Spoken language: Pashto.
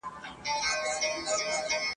د علق سورت د ولوله په کلمې سره پیليږي.